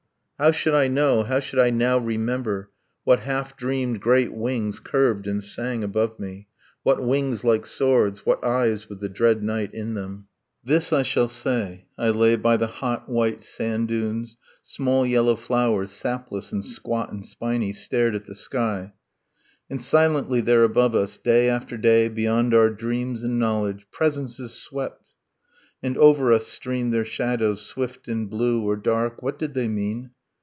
... How should I know how should I now remember What half dreamed great wings curved and sang above me? What wings like swords? What eyes with the dread night in them? This I shall say. I lay by the hot white sand dunes. . Small yellow flowers, sapless and squat and spiny, Stared at the sky. And silently there above us Day after day, beyond our dreams and knowledge, Presences swept, and over us streamed their shadows, Swift and blue, or dark. ... What did they mean?